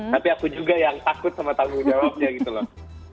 tapi aku juga yang takut sama tanggung jawabnya gitu loh